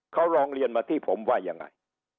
เขาร้องเรียนมาที่ผมว่ายังไง